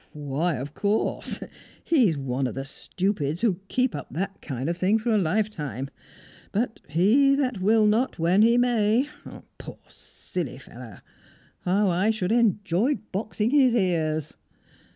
"Why, of course! He's one of the stupids who keep up that kind of thing for a lifetime. But 'he that will not when he may'! Poor silly fellow! How I should enjoy boxing his ears!"